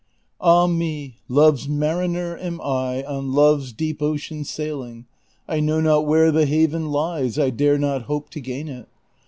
Ah me, Love's mariner am I ^ On Love's deep ocean sailing ; I know not where the haven lies, I dare not hope to gain it.